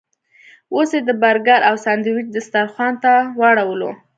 اوس یې د برګر او ساندویچ دسترخوان ته واړولو.